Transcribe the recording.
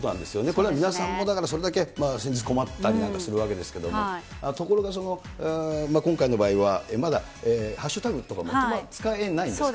これは皆さんもだから、それだけ先日、困ったりするわけですけれども、ところがその、今回の場合はまだハッシュタグとか、使えないんですか。